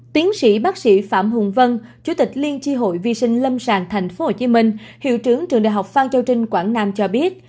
tiến sĩ bác sĩ phạm hùng vân chủ tịch liên tri hội vi sinh lâm sàng tp hcm hiệu trưởng trường đại học phan châu trinh quảng nam cho biết